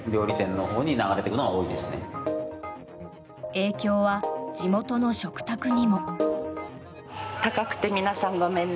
影響は地元の食卓にも。